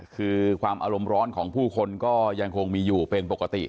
คือความอารมณ์ร้อนของผู้คนก็ยังคงมีอยู่เป็นปกติ